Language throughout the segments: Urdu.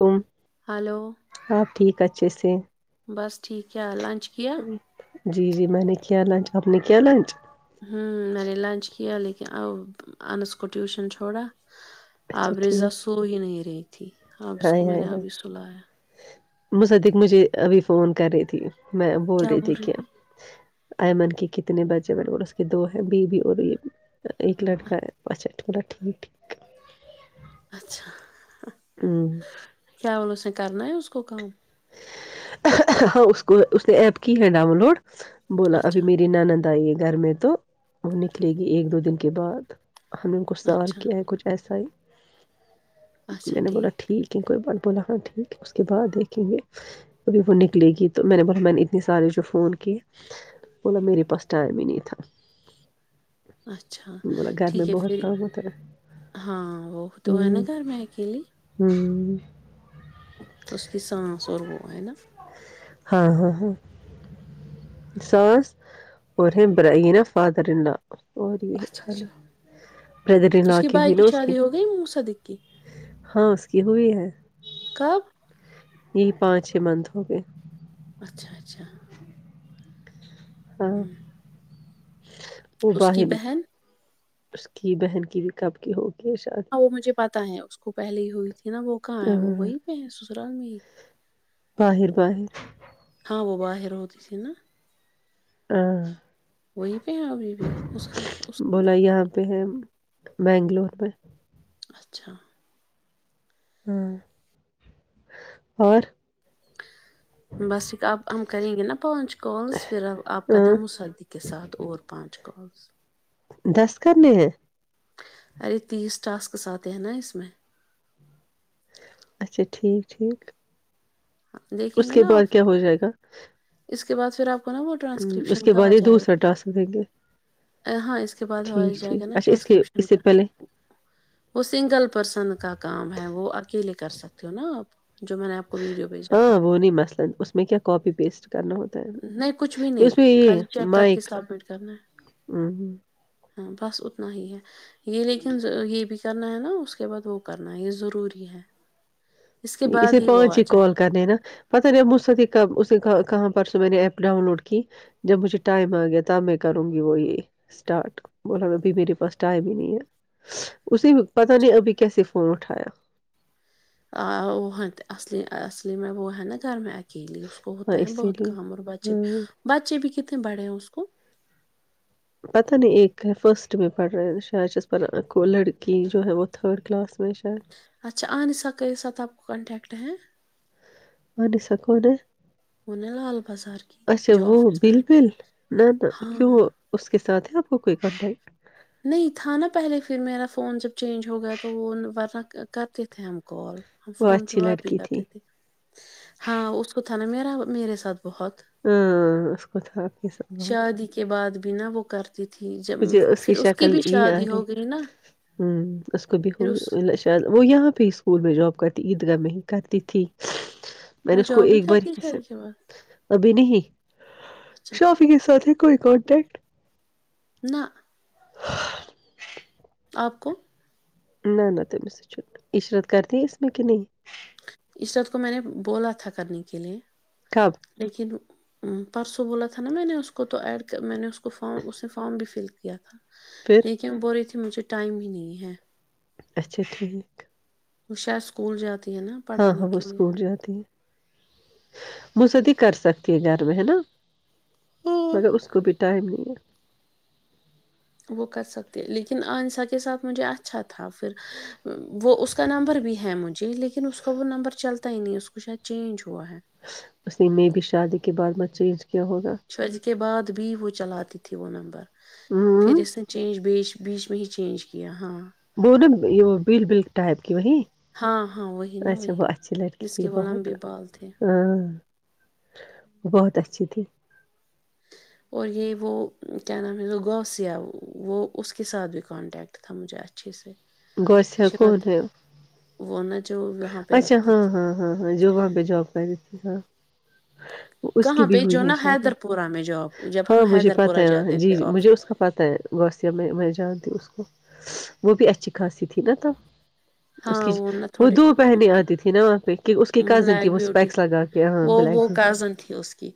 تم ہلو آپ ٹھیک اچھے سے بس ٹھیک ہے لنچ ج کیا جی جی میں نے کیا لنچ آپ نے کیا لنچ ا آ آنس کو ٹیوشن چھوڑا اچھا آبریزا ٹھیک سو ہی نہیں ری تھی اب اس کو ہائے میں ہائے نے ہائے ابھی سلایا مصدق مجھے ابھی فون کر رہی تھی میں بول رہی دیکھییا ایئمن کی کتنے بچے میرے اس کے دو ہیں بیو اور یہ بھی ایک لڑکا ہے ماچھے تھوڑا ٹھنڈ ٹھیک اچھا کیا والولو س کرنا ہے اس کو کام ہاں اس کو اس نے ایپ کی ہے ڈاؤن لوڈ بولا ابھی اچھا میری ننند آئیے گی گھر میں تو وہ نکلے گی ایک دو دن کے بعد ہم نے کچ سوال اچھا کیا ہے کچھ ایسا ہی میں نے بولا ٹھیک ہے کوئی بن بولا ہاں ٹھیک ہے اس کے بعد ایک کیونکہ ابھی وہ نکلے گی تو میں نے بولا میں نے اتنی سارے جو فون کیے بولا میرے پاس ٹائم ہی نہیں تھا اچھا بولا گھر میں ٹھیک ہے پھر بہت کام ہوتا ہے ہاں وہ تو ہے نا ہوں گھر میں اکیلیے [unintelligible] اس کی سانس سوربو ہےا ہاں ہاں ہاں ساس اور برینا فادر اور یہ ہے اچھا خالی اچھا بردر اس لا کی کے بھائی ہوئی نا اس کی شادی ہو گئی موسدق کی ہاں اس کی ہوئی ہے کب یہی پانچ چھ منتھ ہو گئے اچھا اچھا ہاں ہم۔ وہ اس کی باہر بہن اس کی بہن کی بھی کب کی ہوگ ہاں وہ مجھے پتا ہے اس کو پہلے ہی ہوئی تھی نا وہ کہاں ہے وہ ہاں وہی پہ ہے سسرال میں ہی باہر باہر ہاں وہ وااہر رتسی نا ہاں وہی پہ ابھی بھی اس بولا یہاں پہ ہیں بنگلور میں اچھا ہاں اور بس اب ہم کریں گے نا پانچ کالس پھر ا آپ کا ہاں نام مصدیق کے ساتھ اور پانچ کال [unintelligible] دس کرنے ہے ارے تیس ٹاسکس آتے ہیں نا اس میں اچھا ٹھیک ٹھیک دیکھیں اس گے کے نا بعد کیا آپ ہو جائے گا اس کے بعدھر آپ کو نا وہ ہ اس ٹرانسکرپشن کے کا بعد آ یہ جائے دوسرا گا ٹاس دیں گے ہاں اس کے بعد ہو ٹھیک جائے گا ٹھیک نا اچھا اس کے اس ٹرانسکرپشن سے کا پہلے وہ سنگل پرسن کا کام ہے وہ اکیلے کا کر سکتے ہو نا آپ جو میں نے آپ کو ویڈیو بھیجا ہاں تھا وہ نہیں مسئلا اس میں کیا کاپی پیسٹ کرنا ہوتا نہیں کچھ بھی ہے نہیں اس میں یہ خالی چیک کر کے مائک سبمٹ کرنا ہے ہ ہ ہاں بس اتنا ہی ہے یہ لیکن یہک کرنا ہے نا اس کے بعد وہ کرنا ہے یہ ضروری ہے اس کے اسے بعد وہ پانچ آ ہی جائے کال گا۔ کرنی ہیں نا پتا نہیں مسد کا کہاں پر سو میں نے ایپ ڈاؤن لوڈ کی جب مجھے ٹائم آ گیا تب میں کروں گی وہ یہ اسٹارٹ بولا ابھی میرے پاس ٹائم ہی نہیں ہے اسی پتا اچھا نہیں ابھی کیا صف فونٹھایا وہ اصلی اصلی میں وہ ہے نا گھر میں کے لیے اس کو ہاں ہوتا ہے اسی بہت لیے کام اور بچے بھی ہاں بچے بھی کتنے کتنے بڑے ہو اس کو پتہ نہیں ایک ہے فرسٹ میں پڑھ رہے ہیں شاید چس پ لڑکی جو ہے وہ تھرڈ کلاس میں شاید اچھا ا سا کرو سا آپ کو کنٹیکٹ ا [inaudible] بنی سک ن وہ نے لال بازار کی [unintelligible] اچھا جو وہ آفس میں بل آتی، بل نہ نہ ہاں کیوں اس کے س آپ کوئی کے نہیں تھا نا پہلے پھر میرا فون جب چینج ہو گیا تو وہ ورنہ کرتے تھے ہم کال ہم وہ فون پہ اچھی بات بھی لڑکی تھی کرتے تھے ہاں اس کو تھاان میں میرے ساتھ بہت ہاں اسس کوت حقی سبت بنا بکار ت تھی جب [inaudible] شیشا کل یہ آ شادی رہے ہو ہ گئی نا اس کو پھر اس بو شا وہ یہاں پہ اسک اسکول میں جاب کرتی عید گاہ میں ہی کرتی تھی میں نے وہ اس کو جاب ہی ایک بار کرتی سے شادی کے بعد ابھی نہیں اچھا شافی کے ساتھ ہے کوئی کانٹیکٹ نہ آپ کو نہ نہ تمس سے چ عشرت کرتی ہے اس میں کہ نہیں عشرت کو میں نے بولا تھا کرنے کے لئے کب لیکن پرسوں بولا تھا نا میں نے اس کو تو ایڈ میں نے اس کو فم اس نے فارام بھی فل کیا تھا پھر یہ کیا بول مجھے ٹائم ہی نہیں ہے اچھا ٹھیک وہ شاید اسکول جاتا ہاں ہاں وہ اسکول جاتی ہے مصدی کر سکتی ہے گھر میں ہے نا مگر اس کو بھی ٹائم نر وو وو کر سکتے لیکین، آن ساتھ کے ساتھ مجھے اچھا تھا پھر ووکا نمبر بھی ہے مجھے لیکین اسے وو وو نمبر چلتا ہے، وہ اسکو، شا چینج ہوا ہے اس نے میں بھی شادی کے بعد میں چینج کیا ہوگا چھج کے بعد ت بھی وہ چلاتی تھی وہ نمبر ہوں پھررین چینج بی بیچ میں ہی چینج کیا ہاں وہو یہ بل بل ٹائپ کی وہیں ہاں ہاں وہی نا اچھا وہ وہی اچھی لڑکی جس تھی کے وہ بہت لمبے بال تھے ہاں بہت اچھی تھی اوجوکے بھی رابطہ تھا مجھ سے گس کون وہن اچھا ہاں ہاں ہاں ہاں جو وہاں پہ جاب کر دیی تھی ہاں اس کی کہاں بھی پہ جو ہوئی ہے نا شادی حیدر پورہ میں جاب جب ہاں ہم مجھے حیدر پتا پورہ ہے جاتے جی تھے جی مجھے آفس اس کا پتہ ہے گوسیا میں میں جانتی ہوں اس کو وہ بھی اچھی خاص تھی نا تو ہاں وہ وہ تھوڑی دو پہننی آتی تھی نا وہاں پہ کہ اس کی کزن تھی بلیک وہ بیوٹی اسپیکس لگا کے ہاں وہ بلیک وہ بیوٹی کزن تھی اس کی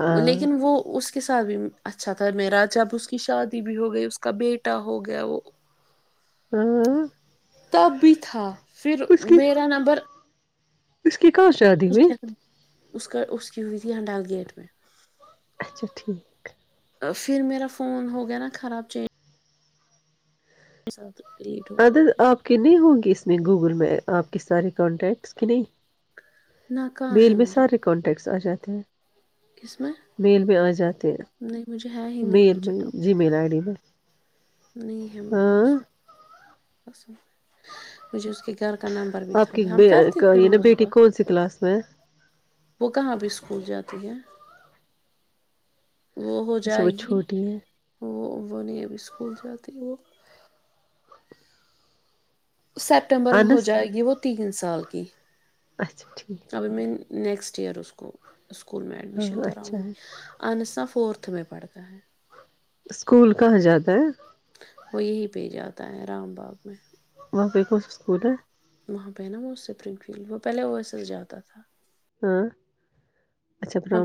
ہاں لیکن وہ اس کے ساتھ بھی اچھا میراج اب اس کی شادی بھی ہو گئی اس کا بیٹا ہو گیا وہ ہاں تب تھاا پھر اس کی میرا نمبر اس کی کہاں شادی ہوئی اس کا اس کی ہوئی تھی یہ ڈال گیٹ میں اچھا ٹھیک پھر میرا فون ہو گیا نا خراب چینج کے ساتھ اد آپ کے نہیں ہوںگی اس میں گوگل میپ آپ کی ساری کانٹیکٹس کی نہیں نہ کہاں میل ہے میں مجھے سارے کانٹیکٹ س آ جاتے ہیں اس میں میل میں آ جاتے ہیں نہیں مجھے ہے ہی نہیں مین مجھے میں تو جی مین آئی ڈی میں نہیں ہے مجھے اس ہاں میں پسند مجھے اس کے گھر کا نمبر بھی آپ تھا کی ہم کرتے تھے یہ نا بیٹی روزبح کون سی کلاس میں ہے وہ کہاں بھی اسکول جاتی ہے وہ ہو اچھا جائے وہ گی چھوٹی ہے وہ بنی اب اسکول جاتے وہ سیپٹمبر میں ہو انس جائے گی وہ تین سے مثال کی اچھا ٹھیک ابھی میں نیکسٹ ٹییروس کو اسکول میں ایڈمشن ہاں کراؤں اچھا گی ہے اہن س فورتھ ہتھ میں پڑتا ہے اسکول کہاں جاتا ہے وہ یہی پہ ج آاتا ہے رام باغ میں بقئی کو س سکول ہے وہاں پہ نا وہ سپرنگ فیلڈ وہ پہلے او ایس ایس جاتا تھا ہاں اچھا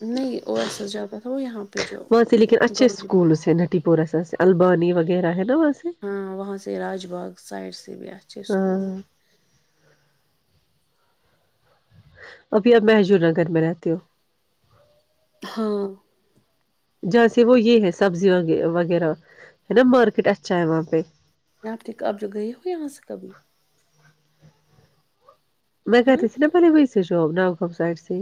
نہیں او ایس ایس جاتا تھا وہ یہاں پہ جو لیکن اچھ گوجو سکولس سے نٹی پورہ البانی وغیرہ ہے نا وہاں سے ہاں وہاں سے راج باغ سائڈ سے بھی اچھے اسکول ہاں ابھی اب محجور نگر میں رہتی ہو ہاں جہاں سے وہ یہ ہے سبزی وغیرہ ہے نا مارکیٹ اچھا ہے وہاں پہ آپ د اب جو گئے ہو یہاں سے کبھی میں ہاں کرتی س نا پلے کو سش جو بناقف سائٹ سے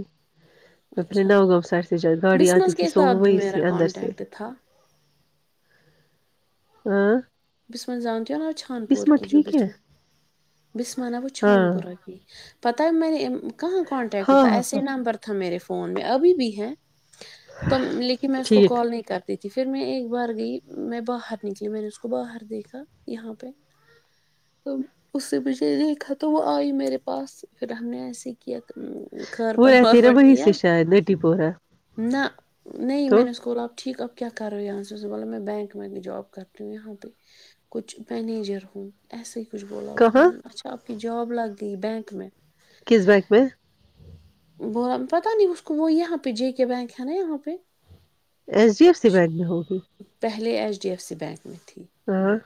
میں پہلے اچھا ناؤ گاؤں سائڈ سے گاڑی آتی بسمس تھی کے سوم ساتھ بھی میرا ہوئیی اندر سے کانٹیکٹ تھا ہاں بسمان جانتی ہو نا چھانپور بسما کی جو ٹھیک ہے بسم بسمان ہے وہ ہاں چھانپورہ کی پتہ ہے میں نے کہاں کانٹیکٹ ہاں تھا ہاں ایسے ہاں نمبر تھا میرے ف فون میں ابھی بھی ہیں تو لیکن میں اس کو ٹھیک کال نہیں کرتا تھی پھر میں ایک بار گئی میں باہر نکلی میرے اس کو باہر دیکھا یہاں پہ تو اس سے مجھے دیکھا تو وہ آئی میرے پاس پھر ہم نے ایسے ہی کیا کھر وہ پڑ رہتی وار نا پڑ وہیں کیا سے شاید نٹی پ رہا نہ نہیں میں نے اس کو آپ ٹھیک آ کیا کر رہو ہو یہاں سےے بولو میں بینک میں جاب کرتی ہوں یہاں کچھ مینیجر ہوں ایسے کچھ بولا اس میں کہاں نے اچھا پ جاب لگ گئی بینک میں کس بینک میں ب پتا نہیں اس کو وہ یہاں پہ جے کے بینک ہے نا یہاں پہ H D F C bank میں ہوگی پہلے H D F C bank میں تھی ہاں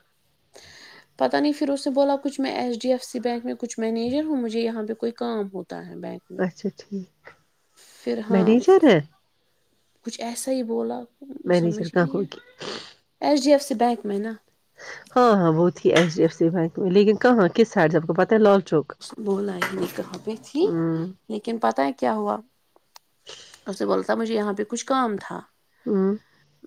پتاہ نہیں پھر اسے بولا کچھ میں H D F C bank میں کچھ مینیجر ہوں مجھے یہاں پہ کوئی کام ہوتا ہے بینک میں اچھا ٹھیک پھر ہاں مینیجر ہے کچھ ایسا ہی بولا مینیجر سمج کہاں نہیں ہے ہوگی ایس ڈی ایف [unintelligible] اس بیک میں نا [unintelligible] ہاں ہاں بہت ہی ایچ ڈی ایف سی بک میں لیکن کہاں کس سائڈ سے آپ کو پتا ہے لال چوک بلا کہاں پہ تھی ہوں لیکن پت ہے [unintelligible] کیا ہوا اسے بول تھا مجھے یہاں پہ کچھ کام تھا ہ [unintelligible]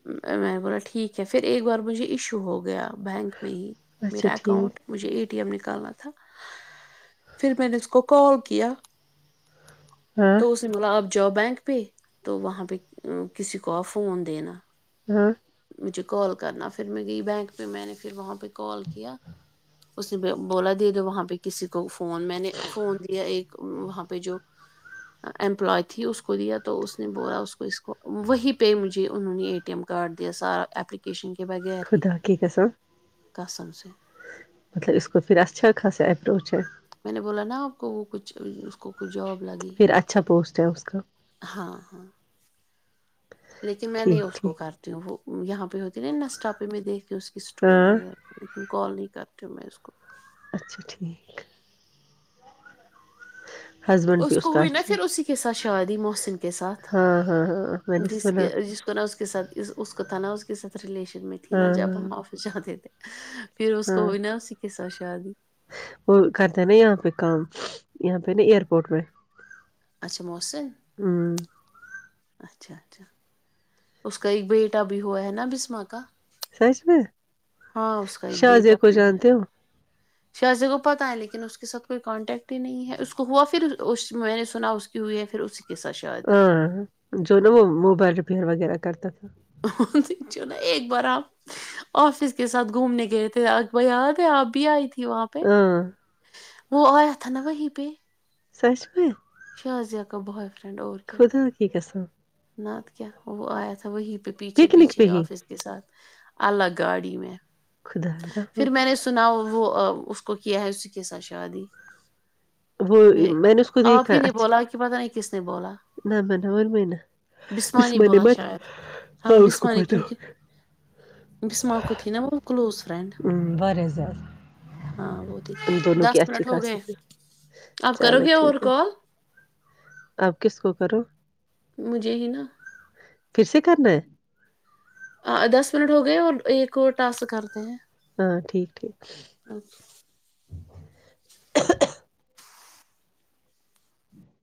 میں نے بولا ٹھیک ہے پھر ایک بار مجھے ایشو ہو گیا بینک میں ہی اچھا میرا ٹھیک اکاؤنٹ مجھے ایٹی م نکالنا تھا [unintelligible] پھر میں نے اس کو کال کیا ہاں تو اس نے مطلب آپ [unintelligible] ج بینک پہ تو وہاں پہ کسی کو فون دینا ہاں مجھے کال کرنا پھر میں گئی بینک پہ میں نے پھر وہاں پہ کال کیا اس نے بولا دے دو وہاں پہ کسی کو فون میں نے فون دیا ایک وہاں پہ جو امپلائی تھی اس کو دیا تو اس نے بولا اس کو اس کو وہ پہ مجھے انہوں نے اے ٹی ایم کارڈ سارا ایپیکیشن خدا کییکسا [unintelligible] قسم سے مطلب اس کو پھر اھ خا سے میں نے بولا نا کو وہ کچھ اس کو کوئی جاب لگی پھر ہے اچھا پوسٹ ہے اس کا ہاں ہاں لیکن میں نہیں ٹھیک اس کو ٹھیک کرتی ہوں وہ یہاں پہ ہوتی نا نشٹہ پہ میں دیک اس کی اسٹوری ہاں وغیرہ لیکن کالن کرتی ہوں میں اس کو [unintelligible] اچھا ٹھیک ہسبینڈ بھی اس کو کا ہوئی نا اچھا ہے پھر اسی کے ساتھ شادی محسن کے ساتھ ہاں ہاں ہاں میں نے جس سنا کے جس کو ن کے سھ اس کا تھا نا اس کے سات ریلیشن میں تھی نا جب ہاں ہم آفس جاتے تھے [unintelligible] ہاں [inaudible] پھر اس کو ہاں ہوئی نا اسی کے ساتھ جد [inaudible] وہ کرتے ہیں نا یہاں پہ کام یہاں پہ نا ایئرپورٹ پہ اچھا موسم اچھا اچھا اس کا ایک بیٹا بھی ہوا ہے نا بسما کا سچ میں ہاں شاہ جے کو جانتے ہو شاہزے کو پتا ہے لیکن اس کے ساتھ کوئی کانٹیکٹ ہی نہیں ہے اس کو ہوا پھر اس میں نے سنا اس کی ہوئی ہے پھر اسی کے ساتھ شادی ہاں جو وہ موبائل پیڑ وغیرہ کرتا تھا ن ایک بار آپ آفس کے ساتھ گھومنے گئے تھے اکب یاد ہے آپ بھی آئی تھی وہاں پہ ہاں وہ آیا تھا نا وہیں پہ سس میں شھا کاہ بحف خدا کی کس نت کیا وہ آیا تھا وہی پیھے پکنک پہ پیھے ہی آفس کے سھ الگگ گاڑی میں خدا رحم پھر میں نے سنا وہ اس کو کیا ہے اسی کے ساتھ شادی وہ میں نے اس کو آپ دیکھا ہی نے اچھا بولا کہ پتہ نہیں لاہور میں بسمانی قسمت بولا نعمت شاید ہاں اس کو بسمانی پتا کیوںکہ بسما کو تھی نا وہ کلوز فرینڈ ہوگا ہاں وہ تھی ان دونوں دس کی منٹ اچھی ہو گئے خاصی تھی اب کرو گے اور کال اپ کس کو کرو مجھے ہی نا پھر سے کرنا ہے دس منٹ ہو گئے اور ایک اور ٹاسک کرتے ہیں ہاں ٹھیک ٹھیک [unintelligible] [unintelligible]